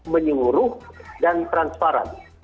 menyeluruh dan transparan